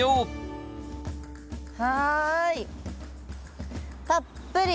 はい。